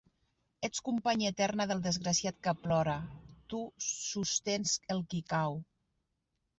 Ets companya eterna del desgraciat que plora; tu sostens el qui cau.